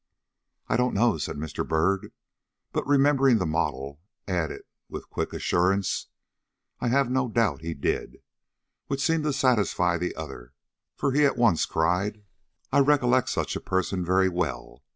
"I don't know," said Mr. Byrd, but remembering the model, added with quick assurance, "I have no doubt he did"; which seemed to satisfy the other, for he at once cried: "I recollect such a person very well.